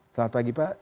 selamat pagi pak